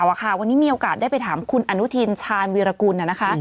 วันนี้มีโอกาสได้ไปถามคุณอนุทินชาญวีรกุลนะคะ